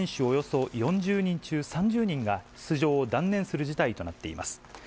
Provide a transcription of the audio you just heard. およそ４０人中３０人が、出場を断念する事態となっています。